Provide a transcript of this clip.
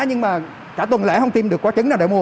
nhưng mà cả tuần lễ không tìm được quả trứng nào để mua